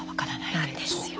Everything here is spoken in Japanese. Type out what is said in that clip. なんですよ。